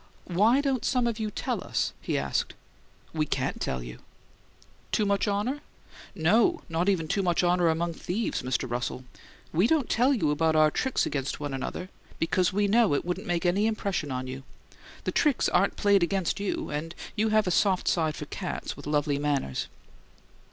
"Why don't some of you tell us?" he asked. "We can't tell you." "Too much honour?" "No. Not even too much honour among thieves, Mr. Russell. We don't tell you about our tricks against one another because we know it wouldn't make any impression on you. The tricks aren't played against you, and you have a soft side for cats with lovely manners!"